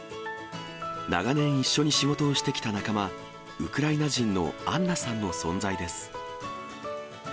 長年一緒に仕事をしてきた仲間、ウクライナ人のアンナさんの存在です。